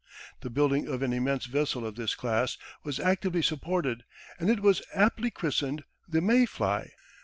The building of an immense vessel of this class was actively supported and it was aptly christened the "May fly."